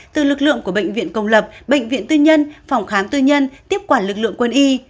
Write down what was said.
từ lực lượng của bệnh viện công lập bệnh viện tư nhân phòng khám tư nhân tiếp quản lực lượng quân y